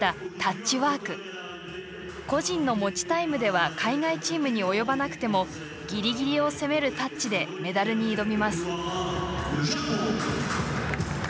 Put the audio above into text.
個人の持ちタイムでは海外チームに及ばなくてもギリギリを攻めるタッチでメダルに挑みます。